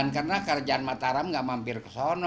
karena kerajaan mataram nggak mampir ke sana